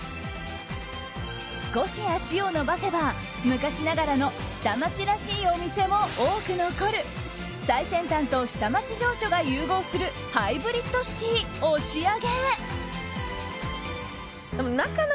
少し足を延ばせば昔ながらの下町らしいお店も多く残る最先端と下町情緒が融合するハイブリッドシティー押上。